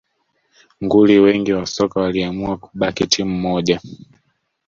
Nguli wengi wa soka waliamua kubaki timu moja